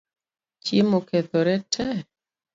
Chiemo okethoree tee